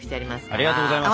ありがとうございます！